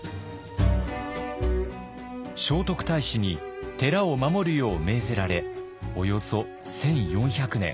聖徳太子に寺を守るよう命ぜられおよそ１，４００年。